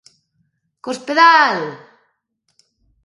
Cospedal!